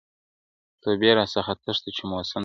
توبې راڅخه تښته چي موسم دی د ګلونو؛